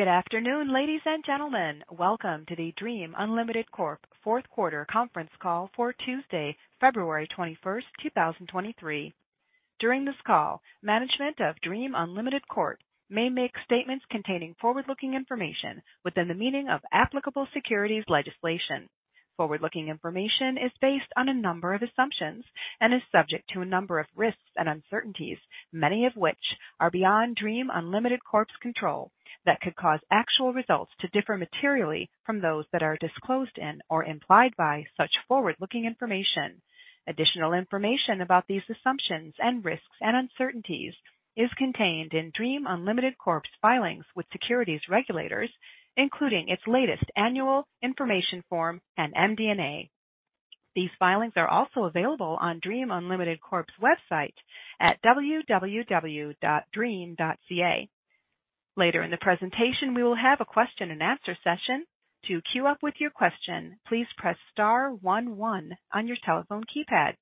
Good afternoon, ladies and gentlemen. Welcome to the Dream Unlimited Corp Fourth Quarter Conference Call for Tuesday, February 21st, 2023. During this call, management of Dream Unlimited Corp may make statements containing forward-looking information within the meaning of applicable securities legislation. Forward-looking information is based on a number of assumptions and is subject to a number of risks and uncertainties, many of which are beyond Dream Unlimited Corp's control that could cause actual results to differ materially from those that are disclosed in or implied by such forward-looking information. Additional information about these assumptions and risks and uncertainties is contained in Dream Unlimited Corp's filings with securities regulators, including its latest annual information form and MD&A. These filings are also available on Dream Unlimited Corp's website at www.dream.ca. Later in the presentation, we will have a question and answer session. To queue up with your question, please press star one one on your telephone keypad.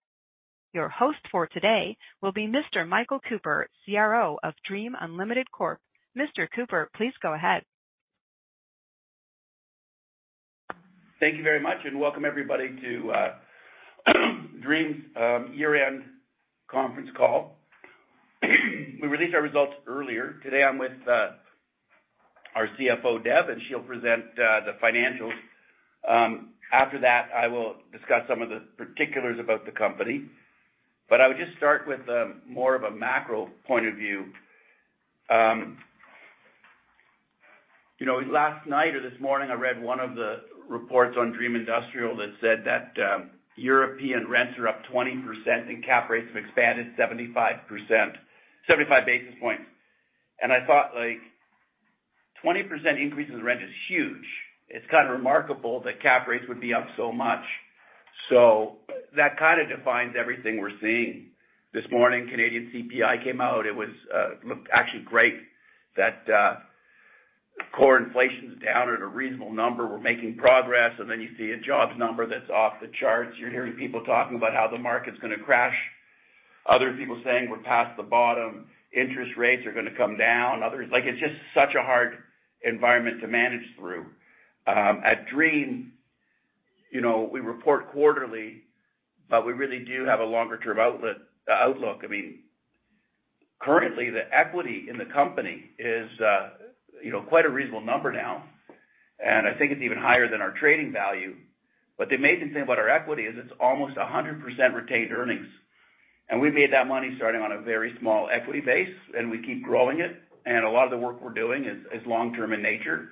Your host for today will be Mr. Michael Cooper, CRO of Dream Unlimited Corp. Mr. Cooper, please go ahead. Thank you very much, welcome everybody to Dream's year-end conference call. We released our results earlier. Today, I'm with our CFO, Deb, and she'll present the financials. After that, I will discuss some of the particulars about the company. I would just start with more of a macro point of view. You know, last night or this morning, I read one of the reports on Dream Industrial that said that European rents are up 20% and cap rates have expanded 75 basis points. I thought, like, 20% increase in rent is huge. It's kind of remarkable that cap rates would be up so much. That kind of defines everything we're seeing. This morning, Canadian CPI came out. It was looked actually great that core inflation's down at a reasonable number. We're making progress. You see a jobs number that's off the charts. You're hearing people talking about how the market's gonna crash, other people saying we're past the bottom, interest rates are gonna come down. Like, it's just such a hard environment to manage through. At Dream, you know, we report quarterly, but we really do have a longer term outlook. I mean, currently, the equity in the company is, you know, quite a reasonable number now, and I think it's even higher than our trading value. The amazing thing about our equity is it's almost 100% retained earnings. We made that money starting on a very small equity base, and we keep growing it. A lot of the work we're doing is long-term in nature.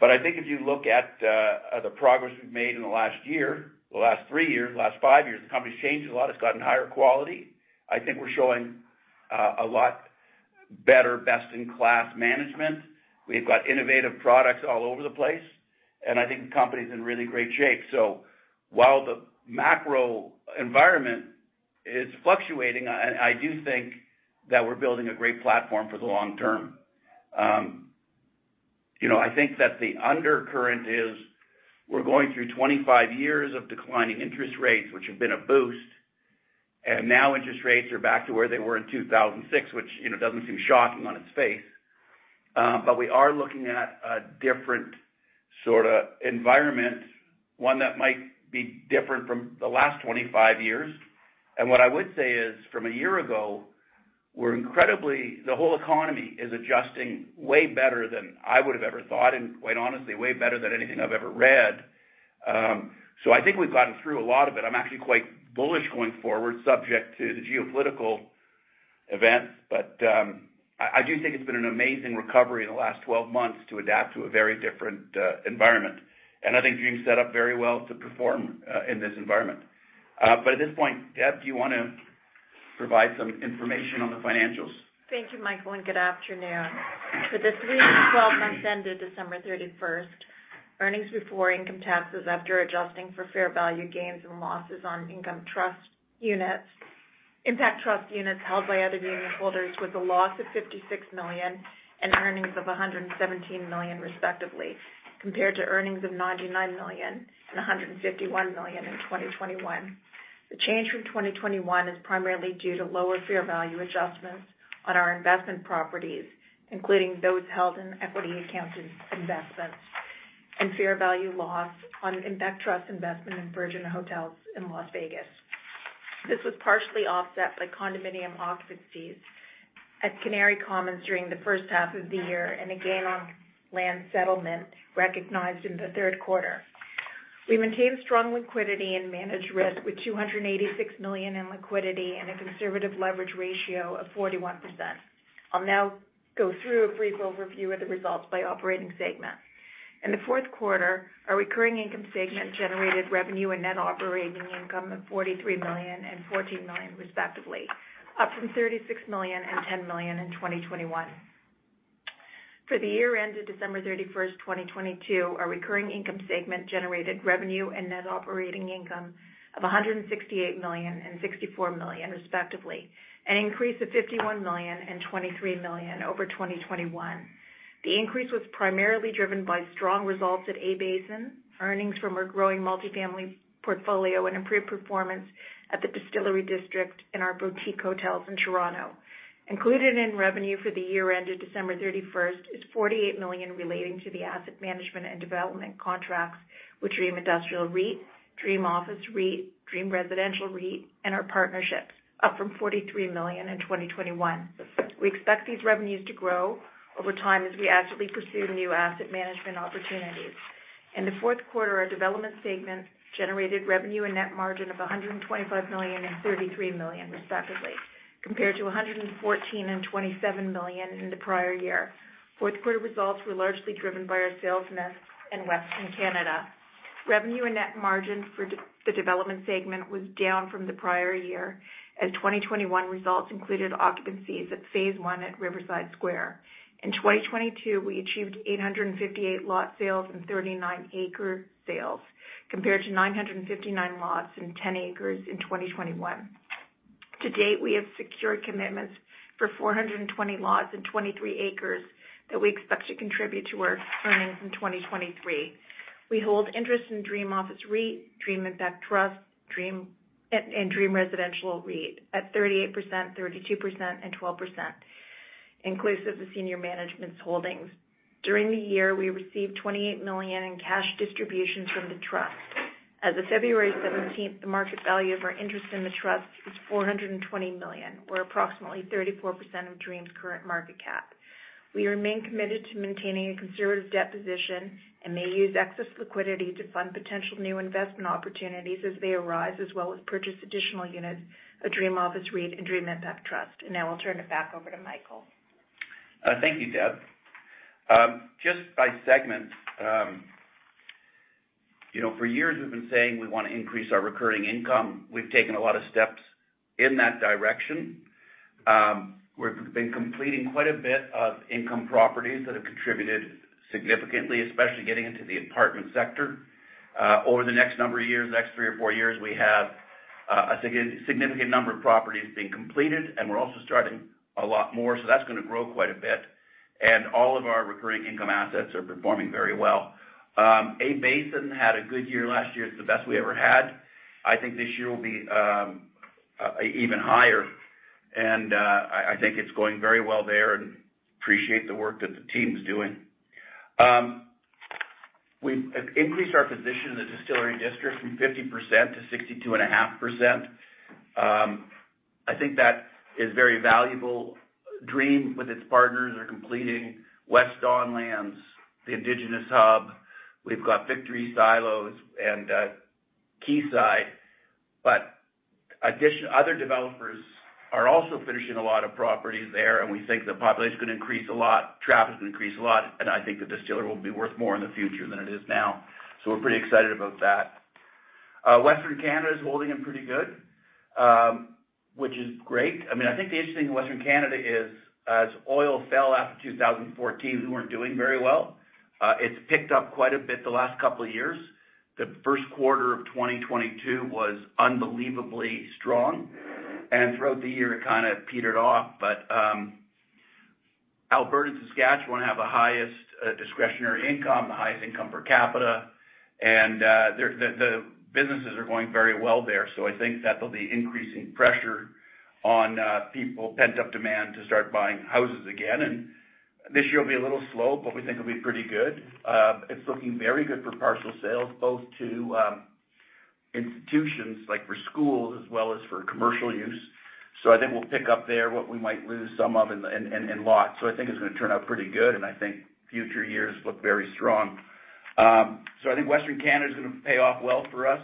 I think if you look at the progress we've made in the last year, the last three years, the last five years, the company's changed a lot. It's gotten higher quality. I think we're showing a lot better best-in-class management. We've got innovative products all over the place, I think the company's in really great shape. While the macro environment is fluctuating, I do think that we're building a great platform for the long term. You know, I think that the undercurrent is we're going through 25 years of declining interest rates, which have been a boost. Now interest rates are back to where they were in 2006, which, you know, doesn't seem shocking on its face. We are looking at a different sorta environment, one that might be different from the last 25 years. What I would say is, from a year ago, the whole economy is adjusting way better than I would have ever thought, and quite honestly, way better than anything I've ever read. I think we've gotten through a lot of it. I'm actually quite bullish going forward, subject to the geopolitical events. I do think it's been an amazing recovery in the last 12 months to adapt to a very different environment. I think Dream's set up very well to perform in this environment. At this point, Deb, do you wanna provide some information on the financials? Thank you, Michael. Good afternoon. For the three 12 months ended December 31st, earnings before income taxes after adjusting for fair value gains and losses on Impact Trust units held by other unitholders was a loss of $56 million and earnings of $117 million, respectively, compared to earnings of $99 million and $151 million in 2021. The change from 2021 is primarily due to lower fair value adjustments on our investment properties, including those held in equity accounted investments and fair value loss on Impact Trust investment in Virgin Hotels Las Vegas. This was partially offset by condominium occupancy at Canary Commons during the first half of the year and a gain on land settlement recognized in the third quarter. We maintained strong liquidity and managed risk with 286 million in liquidity and a conservative leverage ratio of 41%. I'll now go through a brief overview of the results by operating segment. In the fourth quarter, our recurring income segment generated revenue and net operating income of 43 million and 14 million, respectively, up from 36 million and 10 million in 2021. For the year ended December 31st, 2022, our recurring income segment generated revenue and net operating income of 168 million and 64 million respectively, an increase of 51 million and 23 million over 2021. The increase was primarily driven by strong results at A-Basin, earnings from our growing multifamily portfolio and improved performance at the Distillery District in our boutique hotels in Toronto. Included in revenue for the year ended December 31st, is 48 million relating to the asset management and development contracts with Dream Industrial REIT, Dream Office REIT, Dream Residential REIT, and our partnerships up from 43 million in 2021. We expect these revenues to grow over time as we actively pursue new asset management opportunities. In the fourth quarter, our development segment generated revenue and net margin of 125 million and 33 million respectively, compared to 114 million and 27 million in the prior year. Fourth quarter results were largely driven by our sales mix in Western Canada. Revenue and net margin for the development segment was down from the prior year, as 2021 results included occupancies at Phase I at Riverside Square. In 2022, we achieved 858 lot sales and 39 acre sales, compared to 959 lots and 10 acres in 2021. To date, we have secured commitments for 420 lots and 23 acres that we expect to contribute to our earnings in 2023. We hold interest in Dream Office REIT, Dream Impact Trust, and Dream Residential REIT at 38%, 32%, and 12%, inclusive of senior management's holdings. During the year, we received 28 million in cash distributions from the trust. As of February 17th, the market value of our interest in the trust is 420 million, or approximately 34% of Dream's current market cap. We remain committed to maintaining a conservative debt position and may use excess liquidity to fund potential new investment opportunities as they arise, as well as purchase additional units of Dream Office REIT and Dream Impact Trust. Now I'll turn it back over to Michael. Thank you, Deb. Just by segment, you know, for years we've been saying we wanna increase our recurring income. We've taken a lot of steps in that direction. We've been completing quite a bit of income properties that have contributed significantly, especially getting into the apartment sector. Over the next number of years, next three or four years, we have a significant number of properties being completed, and we're also starting a lot more, so that's gonna grow quite a bit. All of our recurring income assets are performing very well. A-Basin had a good year last year. It's the best we ever had. I think this year will be even higher. I think it's going very well there and appreciate the work that the team's doing. We've increased our position in the Distillery District from 50%-62.5%. I think that is very valuable. Dream with its partners are completing West Don Lands, the Indigenous Hub. We've got Victory Silos and Quayside. Other developers are also finishing a lot of properties there, and we think the population is gonna increase a lot, traffic is gonna increase a lot, and I think the Distillery will be worth more in the future than it is now. We're pretty excited about that. Western Canada is holding in pretty good, which is great. I mean, I think the interesting in Western Canada is as oil fell after 2014, we weren't doing very well. It's picked up quite a bit the last couple of years. The first quarter of 2022 was unbelievably strong. Throughout the year, it kind of petered off. Alberta and Saskatchewan have the highest discretionary income, the highest income per capita, and the businesses are going very well there. I think that there'll be increasing pressure on people, pent-up demand to start buying houses again. This year will be a little slow, but we think it'll be pretty good. It's looking very good for parcel sales, both to institutions like for schools as well as for commercial use. I think we'll pick up there what we might lose some of in lots. I think it's gonna turn out pretty good, and I think future years look very strong. I think Western Canada is gonna pay off well for us.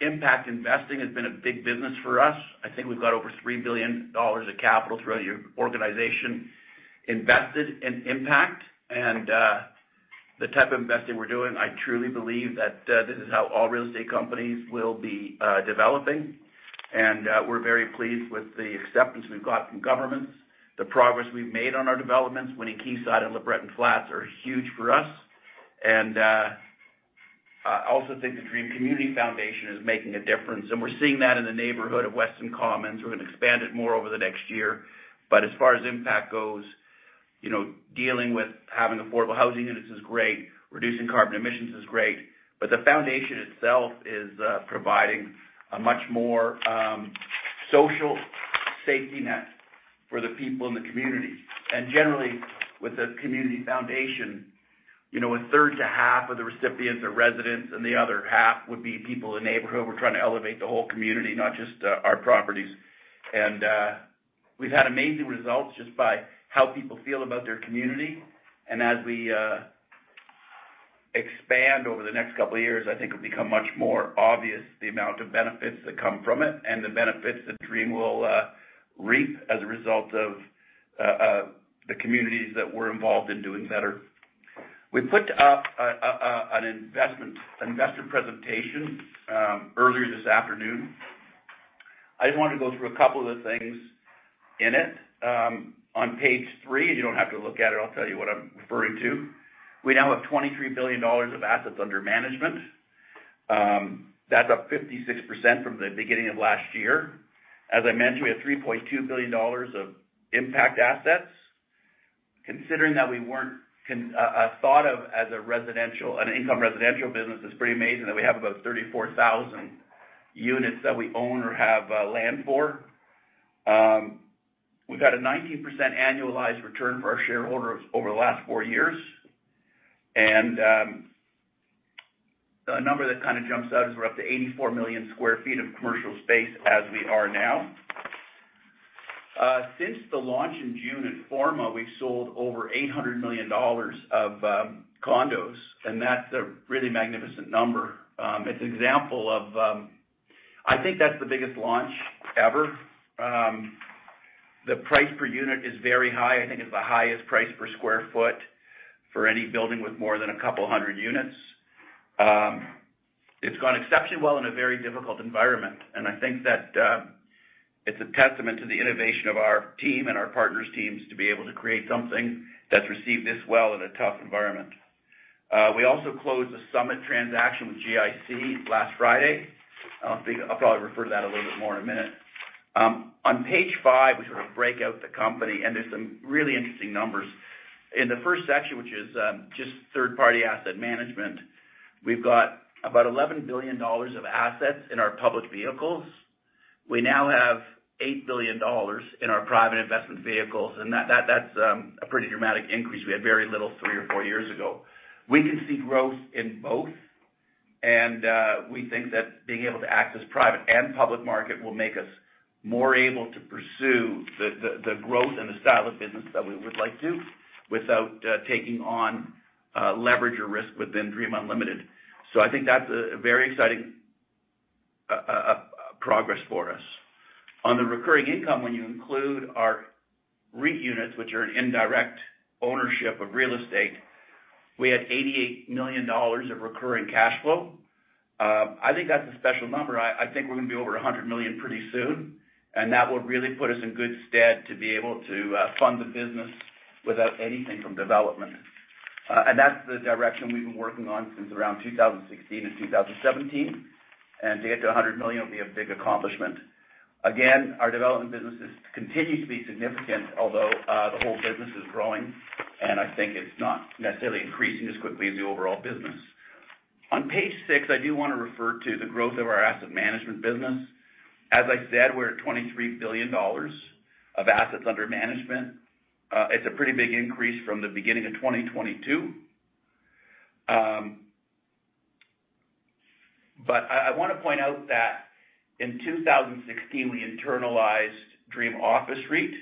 Impact investing has been a big business for us. I think we've got over 3 billion dollars of capital throughout our organization invested in impact. The type of investing we're doing, I truly believe that this is how all real estate companies will be developing. We're very pleased with the acceptance we've got from governments, the progress we've made on our developments. Winning Quayside and LeBreton Flats are huge for us. I also think the Dream Community Foundation is making a difference, and we're seeing that in the neighborhood of Weston Common. We're gonna expand it more over the next year. As far as impact goes, you know, dealing with having affordable housing units is great, reducing carbon emissions is great, but the foundation itself is providing a much more social safety net for the people in the community. Generally, with the community foundation, you know, a third to half of the recipients are residents and the other half would be people in the neighborhood. We're trying to elevate the whole community, not just our properties. We've had amazing results just by how people feel about their community. As we expand over the next couple of years, I think it'll become much more obvious the amount of benefits that come from it and the benefits that Dream will reap as a result of the communities that we're involved in doing better. We put up an investor presentation earlier this afternoon. I just want to go through a couple of the things in it. On page three, you don't have to look at it. I'll tell you what I'm referring to. We now have 23 billion dollars of assets under management. That's up 56% from the beginning of last year. As I mentioned, we have 3.2 billion dollars of Impact assets. Considering that we weren't thought of as a residential an income residential business, it's pretty amazing that we have about 34,000 units that we own or have land for. We've had a 19% annualized return for our shareholders over the last four years. A number that kind of jumps out is we're up to 84 million sq ft of commercial space as we are now. Since the launch in June at Forma, we've sold over 800 million dollars of condos, and that's a really magnificent number. It's an example of I think that's the biggest launch ever. The price per unit is very high. I think it's the highest price per square foot for any building with more than a couple hundred units. It's gone exceptionally well in a very difficult environment, and I think that it's a testament to the innovation of our team and our partners' teams to be able to create something that's received this well in a tough environment. We also closed the Summit transaction with GIC last Friday. I think I'll probably refer to that a little bit more in a minute. On page five, we sort of break out the company, and there's some really interesting numbers. In the first section, which is just third-party asset management, we've got about 11 billion dollars of assets in our public vehicles. We now have 8 billion dollars in our private investment vehicles, that's a pretty dramatic increase. We had very little three or four years ago. We can see growth in both, and we think that being able to access private and public market will make us more able to pursue the growth and the style of business that we would like to without taking on leverage or risk within Dream Unlimited. I think that's a very exciting progress for us. On the recurring income, when you include our REIT units, which are an indirect ownership of real estate, we had 88 million dollars of recurring cash flow. I think that's a special number. I think we're gonna be over 100 million pretty soon, that will really put us in good stead to be able to fund the business without anything from development. That's the direction we've been working on since around 2016 and 2017. To get to 100 million will be a big accomplishment. Again, our development business continues to be significant, although the whole business is growing, I think it's not necessarily increasing as quickly as the overall business. On page six, I do wanna refer to the growth of our asset management business. As I said, we're at 23 billion dollars of assets under management. It's a pretty big increase from the beginning of 2022. But I wanna point out that in 2016, we internalized Dream Office REIT,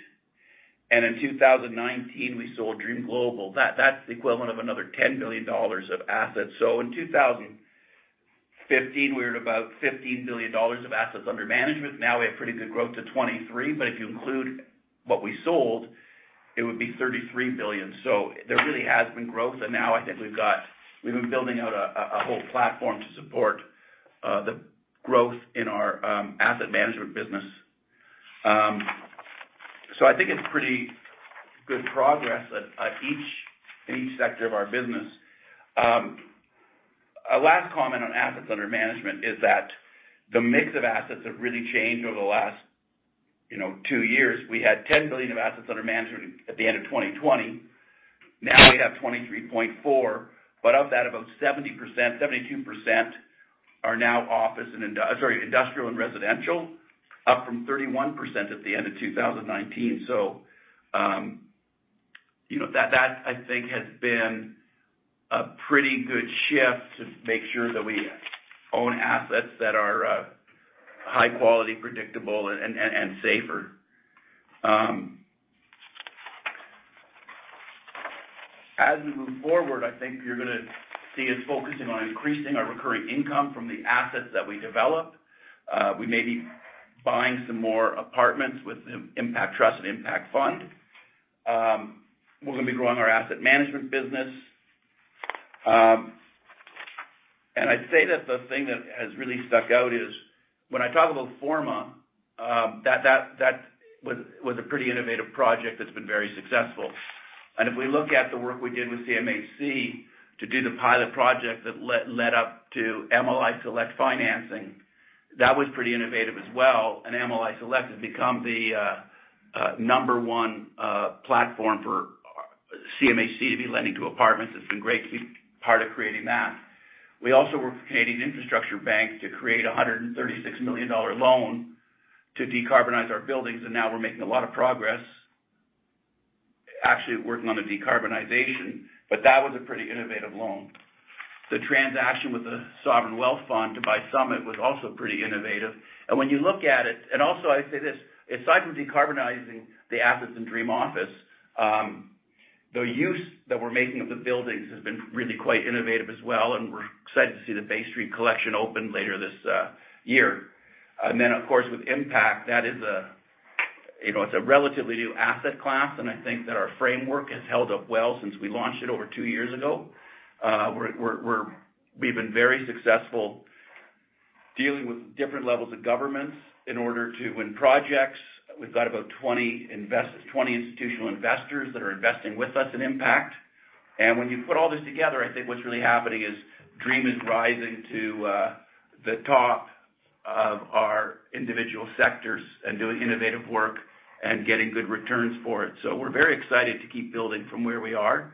in 2019, we sold Dream Global. That's the equivalent of another 10 billion dollars of assets. In 2015, we were at about 15 billion dollars of assets under management. Now we have pretty good growth to 23 billion, but if you include what we sold, it would be 33 billion. There really has been growth. Now I think we've been building out a whole platform to support the growth in our asset management business. I think it's pretty good progress at each, in each sector of our business. A last comment on assets under management is that the mix of assets have really changed over the last, you know, two years. We had 10 billion of assets under management at the end of 2020. Now we have 23.4 billion, of that, about 70%, 72% are now office and industrial and residential, up from 31% at the end of 2019. You know, that I think has been a pretty good shift to make sure that we own assets that are high quality, predictable, and safer. As we move forward, I think you're gonna see us focusing on increasing our recurring income from the assets that we develop. We may be buying some more apartments with Impact Trust and Impact Fund. We're gonna be growing our asset management business. I'd say that the thing that has really stuck out is when I talk about Forma, that was a pretty innovative project that's been very successful. If we look at the work we did with CMHC to do the pilot project that led up to MLI Select financing, that was pretty innovative as well. MLI Select has become the number one platform for CMHC to be lending to apartments. It's been great to be part of creating that. We also worked with Canada Infrastructure Bank to create a 136 million dollar loan to decarbonize our buildings, and now we're making a lot of progress actually working on the decarbonization, but that was a pretty innovative loan. The transaction with the Sovereign Wealth Fund to buy Summit was also pretty innovative. When you look at it... Also I'd say this, aside from decarbonizing the assets in Dream Office, the use that we're making of the buildings has been really quite innovative as well, and we're excited to see the Bay Street Collection open later this year. Then, of course, with Impact, that is You know, it's a relatively new asset class, and I think that our framework has held up well since we launched it over two years ago. We've been very successful dealing with different levels of governments in order to win projects. We've got about 20 institutional investors that are investing with us in Impact. When you put all this together, I think what's really happening is Dream is rising to the top of our individual sectors and doing innovative work and getting good returns for it. We're very excited to keep building from where we are.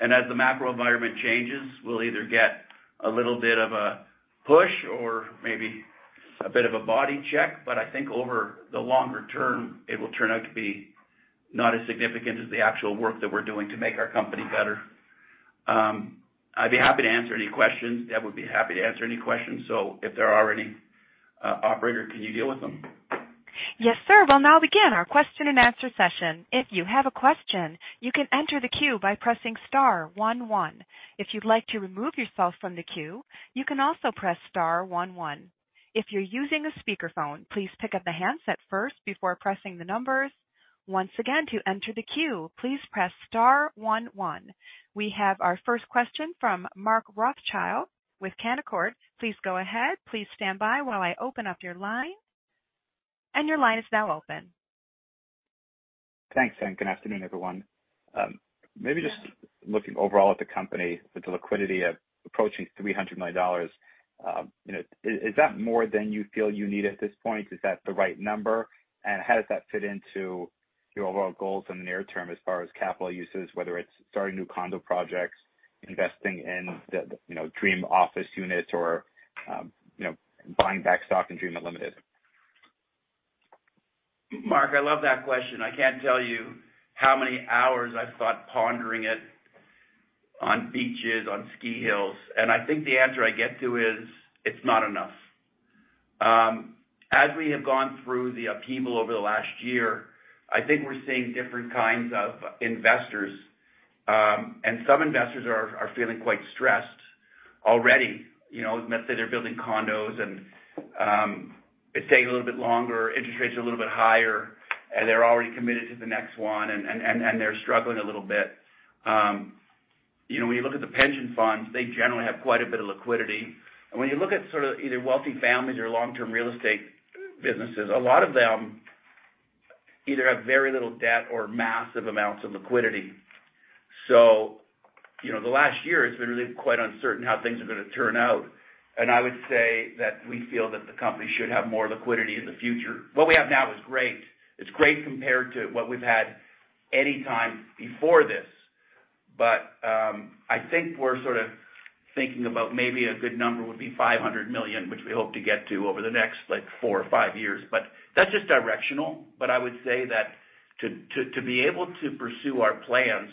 As the macro environment changes, we'll either get a little bit of a push or maybe a bit of a body check. I think over the longer term, it will turn out to be not as significant as the actual work that we're doing to make our company better. I'd be happy to answer any questions. Ed would be happy to answer any questions. If there are any, operator, can you deal with them? Yes, sir. We'll now begin our question and answer session. If you have a question, you can enter the queue by pressing star one one. If you'd like to remove yourself from the queue, you can also press star one one. If you're using a speakerphone, please pick up the handset first before pressing the numbers. Once again, to enter the queue, please press star one one. We have our first question from Mark Rothschild with Canaccord. Please go ahead. Please stand by while I open up your line. And your line is now open. Thanks, good afternoon, everyone. Maybe just looking overall at the company with the liquidity approaching 300 million dollars, you know, is that more than you feel you need at this point? Is that the right number? How does that fit into your overall goals in the near term as far as capital uses, whether it's starting new condo projects, investing in the, you know, Dream Office units or, you know, buying back stock in Dream Unlimited? Mark, I love that question. I can't tell you how many hours I've spent pondering it on beaches, on ski hills, and I think the answer I get to is it's not enough. As we have gone through the upheaval over the last year, I think we're seeing different kinds of investors, and some investors are feeling quite stressed already. You know, they're building condos and it's taking a little bit longer, interest rates are a little bit higher, and they're already committed to the next one and they're struggling a little bit. You know, when you look at the pension funds, they generally have quite a bit of liquidity. When you look at sort of either wealthy families or long-term real estate businesses, a lot of them either have very little debt or massive amounts of liquidity. You know, the last year has been really quite uncertain how things are gonna turn out. I would say that we feel that the company should have more liquidity in the future. What we have now is great. It's great compared to what we've had any time before this. I think we're sort of thinking about maybe a good number would be 500 million, which we hope to get to over the next, like, four or five years. That's just directional. I would say that to be able to pursue our plans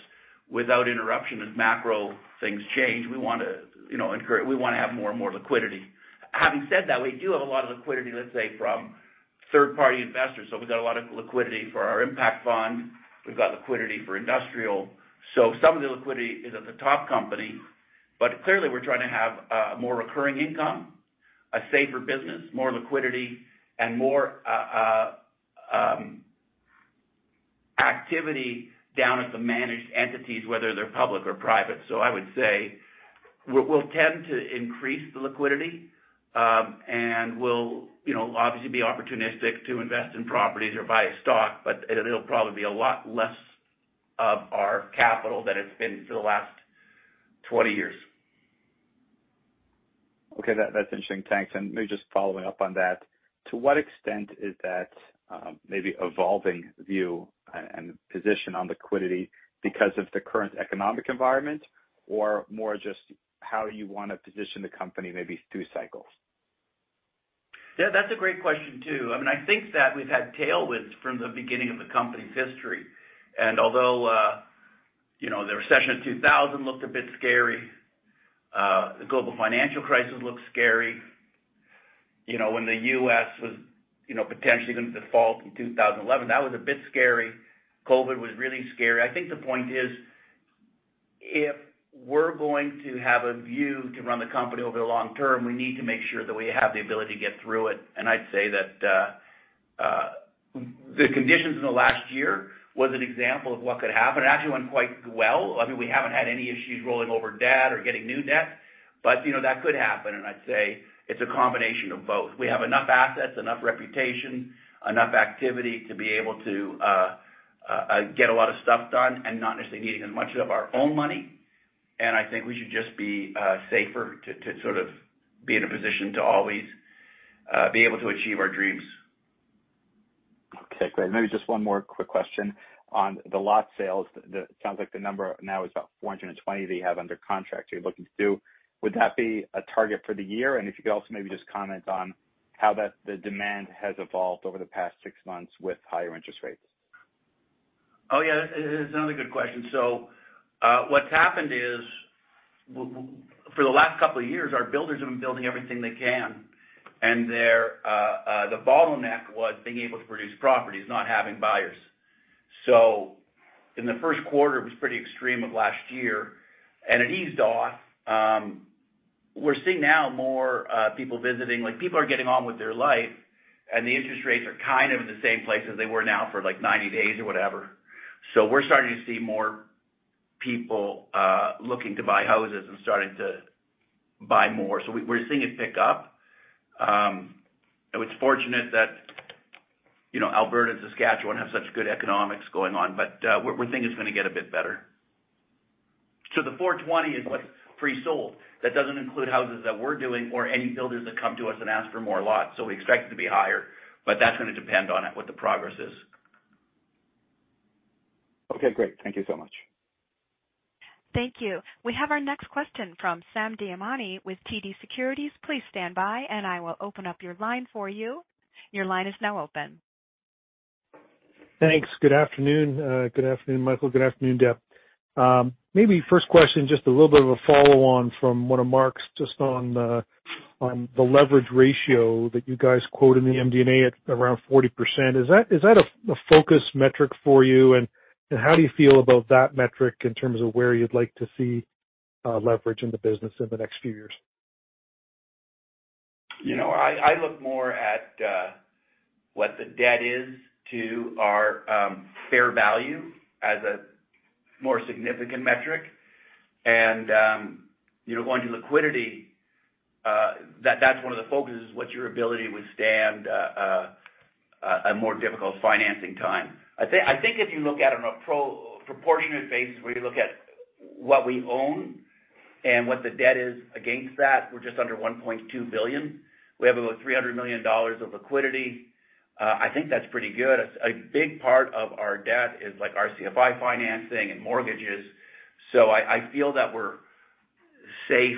without interruption as macro things change, we want to, you know, have more and more liquidity. Having said that, we do have a lot of liquidity, let's say, from third-party investors. We've got a lot of liquidity for our Impact Fund. We've got liquidity for industrial. Some of the liquidity is at the top company. Clearly, we're trying to have more recurring income, a safer business, more liquidity, and more activity down at the managed entities, whether they're public or private. I would say we'll tend to increase the liquidity, and we'll, you know, obviously be opportunistic to invest in properties or buy a stock, but it'll probably be a lot less of our capital than it's been for the last 20 years. Okay. That's interesting. Thanks. Maybe just following up on that, to what extent is that, maybe evolving view and position on liquidity because of the current economic environment or more just how you wanna position the company maybe through cycles? Yeah, that's a great question, too. I mean, I think that we've had tailwinds from the beginning of the company's history. Although, you know, the recession of 2000 looked a bit scary, the global financial crisis looked scary. You know, when the U.S. was, you know, potentially gonna default in 2011, that was a bit scary. COVID was really scary. I think the point is, if we're going to have a view to run the company over the long term, we need to make sure that we have the ability to get through it. I'd say that the conditions in the last year was an example of what could happen. It actually went quite well. I mean, we haven't had any issues rolling over debt or getting new debt, but, you know, that could happen. I'd say it's a combination of both. We have enough assets, enough reputation, enough activity to be able to get a lot of stuff done and not necessarily needing as much of our own money. I think we should just be safer to sort of be in a position to always be able to achieve our dreams. Okay, great. Maybe just one more quick question on the lot sales. It sounds like the number now is about 420 that you have under contract you're looking to do. Would that be a target for the year? If you could also maybe just comment on how that the demand has evolved over the past six months with higher interest rates. Oh, yeah. It's another good question. What's happened is for the last couple of years, our builders have been building everything they can, and they're the bottleneck was being able to produce properties, not having buyers. So in the first quarter, it was pretty extreme of last year, and it eased off. We're seeing now more people visiting. Like, people are getting on with their life, and the interest rates are kind of in the same place as they were now for, like, 90 days or whatever. We're starting to see more people looking to buy houses and starting to buy more. We're seeing it pick up. It's fortunate that, you know, Alberta and Saskatchewan have such good economics going on. We're think it's gonna get a bit better. The 420 is, like, pre-sold. That doesn't include houses that we're doing or any builders that come to us and ask for more lots. We expect it to be higher, but that's going to depend on it, what the progress is. Okay, great. Thank you so much. Thank you. We have our next question from Sam Damiani with TD Securities. Please stand by, and I will open up your line for you. Your line is now open. Thanks. Good afternoon. Good afternoon, Michael. Good afternoon, Deb. Maybe first question, just a little bit of a follow on from one of Mark's just on the leverage ratio that you guys quote in the MD&A at around 40%. Is that a focus metric for you? How do you feel about that metric in terms of where you'd like to see leverage in the business in the next few years? You know, I look more at what the debt is to our fair value as a more significant metric. You know, going to liquidity, that's one of the focuses is what your ability to withstand a more difficult financing time. I think if you look at it on a proportion basis, where you look at what we own and what the debt is against that, we're just under 1.2 billion. We have about 300 million dollars of liquidity. I think that's pretty good. A big part of our debt is like RCFi financing and mortgages. I feel that we're safe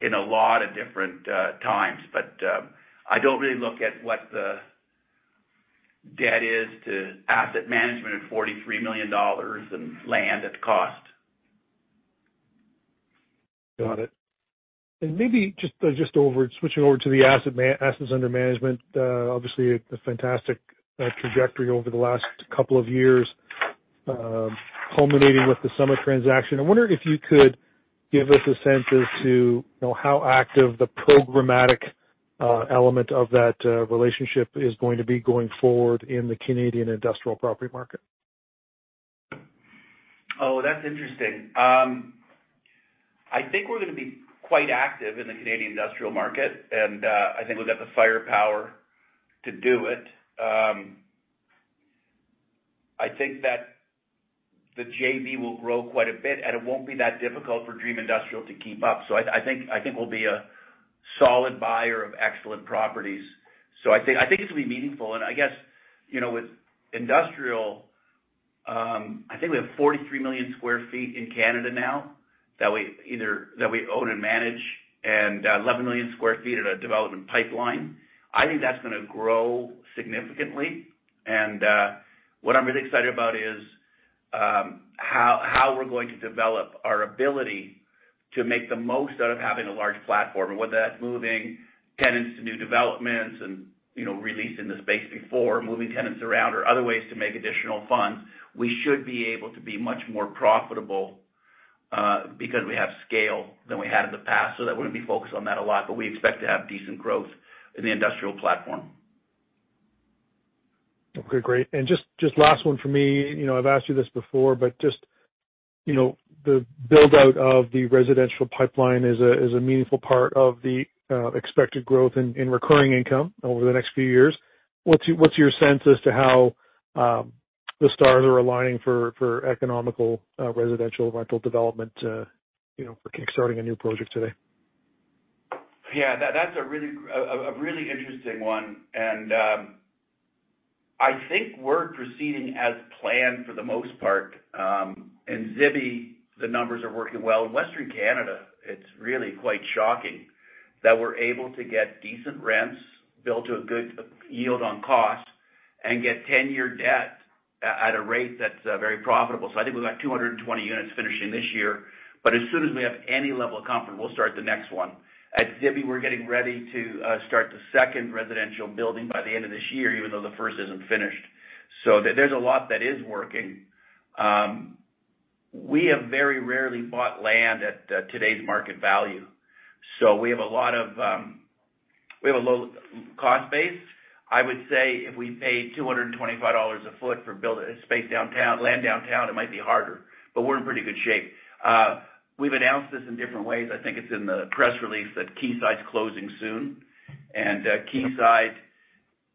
in a lot of different times. I don't really look at what the debt is to asset management at 43 million dollars and land at cost. Got it. Maybe just switching over to the assets under management. Obviously a fantastic trajectory over the last couple of years, culminating with the Summit transaction. I wonder if you could give us a sense as to, you know, how active the programmatic element of that relationship is going to be going forward in the Canadian industrial property market. Oh, that's interesting. I think we're gonna be quite active in the Canadian industrial market, and I think we've got the firepower to do it. I think that the JV will grow quite a bit, and it won't be that difficult for Dream Industrial to keep up. I think we'll be a solid buyer of excellent properties. I think this will be meaningful. I guess, you know, with industrial, I think we have 43 million sq ft in Canada now that we own and manage, and 11 million sq ft at a development pipeline. I think that's gonna grow significantly. What I'm really excited about is how we're going to develop our ability to make the most out of having a large platform. Whether that's moving tenants to new developments and, you know, releasing the space before moving tenants around or other ways to make additional funds, we should be able to be much more profitable because we have scale than we had in the past. That we're gonna be focused on that a lot, but we expect to have decent growth in the industrial platform. Okay, great. Just last one for me. You know, I've asked you this before, but just, you know, the build-out of the residential pipeline is a meaningful part of the expected growth in recurring income over the next few years. What's your sense as to how the stars are aligning for economical residential rental development to, you know, kickstarting a new project today? That's a really interesting one. I think we're proceeding as planned for the most part. In Zibi, the numbers are working well. In Western Canada, it's really quite shocking that we're able to get decent rents built to a good yield on cost and get 10-year debt at a rate that's very profitable. I think we've got 220 units finishing this year. As soon as we have any level of comfort, we'll start the next one. At Zibi, we're getting ready to start the second residential building by the end of this year, even though the first isn't finished. There's a lot that is working. We have very rarely bought land at today's market value. We have a lot of. We have a low cost base. I would say if we paid 225 dollars a foot for land downtown, it might be harder. We're in pretty good shape. We've announced this in different ways. I think it's in the press release that Quayside's closing soon. Quayside,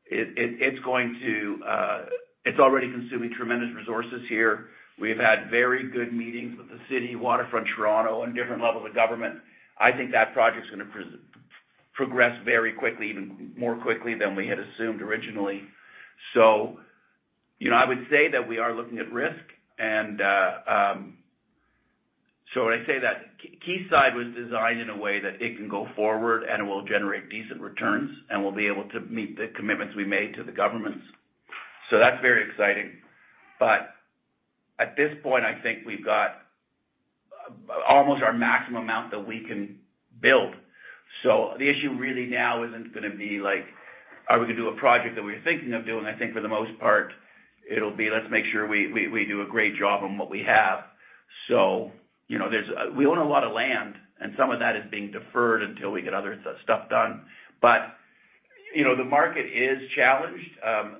it's going to... It's already consuming tremendous resources here. We've had very good meetings with the City Waterfront Toronto and different levels of government. I think that project's gonna progress very quickly, even more quickly than we had assumed originally. You know, I would say that we are looking at risk. When I say that, Quayside was designed in a way that it can go forward, and it will generate decent returns, and we'll be able to meet the commitments we made to the governments. That's very exciting. At this point, I think we've got almost our maximum amount that we can build. The issue really now isn't gonna be like, are we gonna do a project that we're thinking of doing? I think for the most part, it'll be, let's make sure we do a great job on what we have. You know, we own a lot of land, and some of that is being deferred until we get other stuff done. You know, the market is challenged.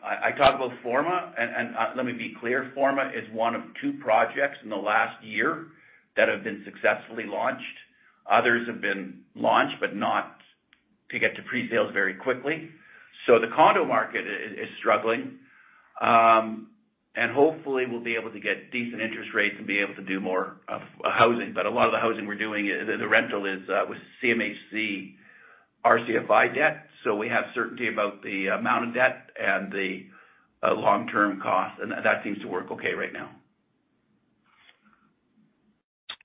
I talk about Forma, and let me be clear, Forma is one of two projects in the last year that have been successfully launched. Others have been launched, but not to get to pre-sales very quickly. The condo market is struggling. Hopefully we'll be able to get decent interest rates and be able to do more of housing. A lot of the housing we're doing, the rental is with CMHC RCFI debt, so we have certainty about the amount of debt and the long-term cost, and that seems to work okay right now.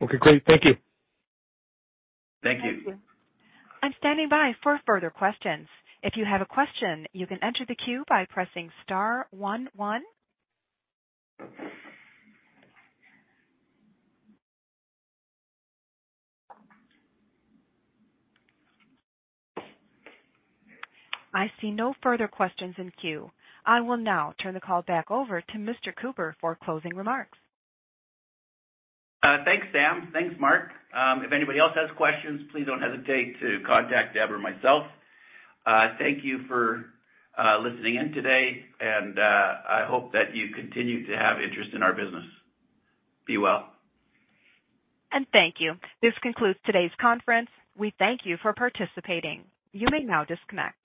Okay, great. Thank you. Thank you. Thank you. I'm standing by for further questions. If you have a question, you can enter the queue by pressing star one one. I see no further questions in queue. I will now turn the call back over to Mr. Cooper for closing remarks. Thanks, Sam. Thanks, Mark. If anybody else has questions, please don't hesitate to contact Deb or myself. Thank you for listening in today, and I hope that you continue to have interest in our business. Be well. Thank you. This concludes today's conference. We thank you for participating. You may now disconnect.